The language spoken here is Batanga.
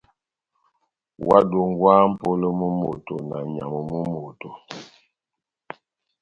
Óhádongwaha mʼpolo mú moto na nyamu mú moto.